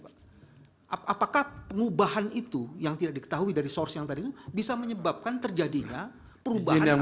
apakah pengubahan itu yang tidak diketahui dari source yang tadi itu bisa menyebabkan terjadinya perubahan yang